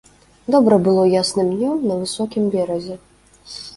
Добра было ясным днём на высокім беразе.